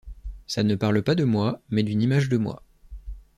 Ça ne parle pas de moi, mais d’une image de moi.